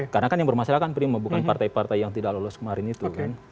karena kan yang bermasalah kan prima bukan partai partai yang tidak lolos kemarin itu